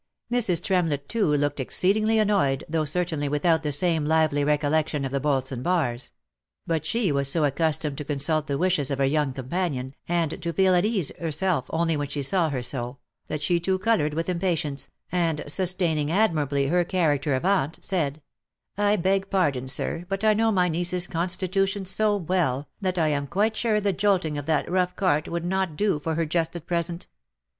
Mrs. Tremlett, too, looked exceedingly annoyed, though certainly without the same lively recollection of the bolts and bars ; but she was so accustomed to consult the wishes of her young companion, and to feel at ease herself only when she saw her so, that she too coloured with impatience, and sustaining admirably her character of aunt, said, " I beg pardon, sir, but I know my niece's constitution so well, that I am quite sure the jolting of that rough cart would not do for her just OF MICHAEL ARMSTRONG. 261 at present.